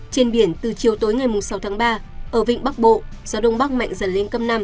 trên biển từ chiều tối ngày sáu tháng ba ở vịnh bắc bộ gió đông bắc mạnh dần lên cấp năm